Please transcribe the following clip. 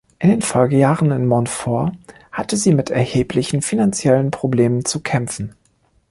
In den Folgejahren in Montfort hatte sie mit erheblichen finanziellen Problemen zu kämpfen.